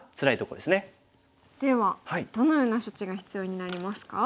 ではどのような処置が必要になりますか？